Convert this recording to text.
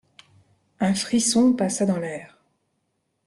Un frisson passa dans l'air.